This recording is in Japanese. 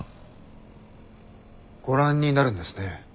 ご覧になるんですね。